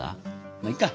まあいっか！